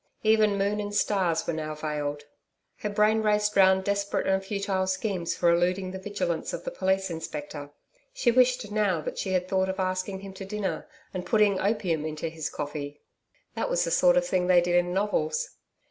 Even moon and stars were now veiled. Her brain raced round desperate and futile schemes for eluding the vigilance of the Police Inspector. She wished now that she had thought of asking him to dinner and putting opium into his coffee that was the sort of thing they did in novels.